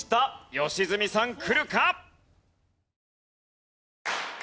良純さんくるか？